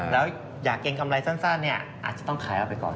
แล้วอยากเกรงกำไรสั้นอาจจะต้องขายออกไปก่อน